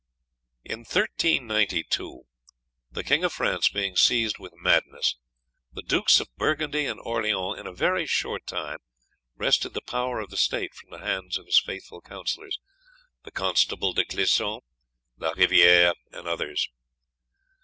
"In 1392, the King of France being seized with madness, the Dukes of Burgundy and Orleans in a very short time wrested the power of the state from the hands of his faithful councillors, the Constable de Clisson, La Riviere, and others.